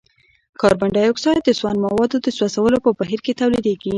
کاربن ډای اکسايډ د سون موادو د سوځولو په بهیر کې تولیدیږي.